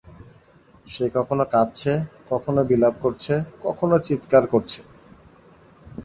সে কখনও কাঁদছে, কখনও বিলাপ করছে, কখনও চীৎকার করছে।